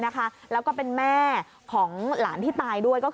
แต่แม่ของหลานที่ตายด้วย